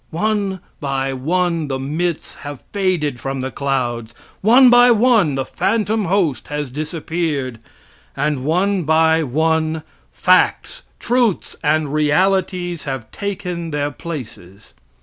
One by one the myths have faded from the clouds; one by one the phantom host has disappeared, and, one by one, facts, truths and realities have taken their places.